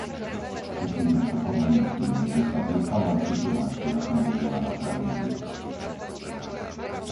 Všetci sme šokovaní tým, že sa zúfalá situácia premenila na tragédiu.